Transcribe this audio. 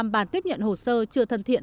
sáu mươi năm bàn tiếp nhận hồ sơ chưa thân thiện